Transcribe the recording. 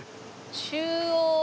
「中央」。